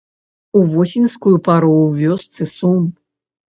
У восеньскую пару ў вёсцы сум.